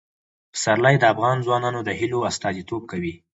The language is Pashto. پسرلی د افغان ځوانانو د هیلو استازیتوب کوي.